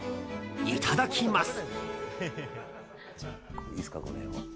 いただきます。